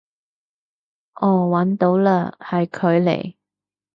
哦搵到嘞，係佢嚟